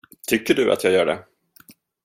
Tycker du att jag gör det?